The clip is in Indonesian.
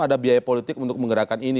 ada biaya politik untuk menggerakkan ini